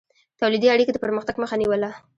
تولیدي اړیکې د پرمختګ مخه نیوله.